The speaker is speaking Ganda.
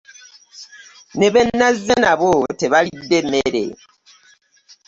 Ne be nazze nabo tebalidde mmere!